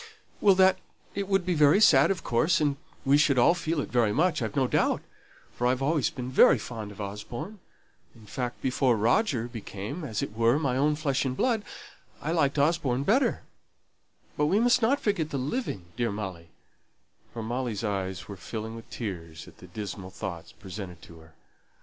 "Well, it would be very sad, of course, and we should all feel it very much, I've no doubt; for I've always been very fond of Osborne; in fact, before Roger became, as it were, my own flesh and blood, I liked Osborne better: but we must not forget the living, dear Molly," (for Molly's eyes were filling with tears at the dismal thoughts presented to her).